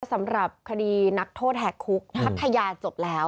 สำหรับคดีนักโทษแหกคุกพัทยาจบแล้ว